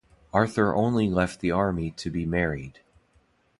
Arthur only left the army to be married.